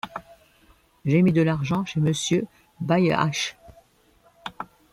J’ai mis de l’argent chez Monsieur Baillehache.